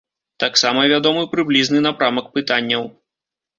Таксама вядомы прыблізны напрамак пытанняў.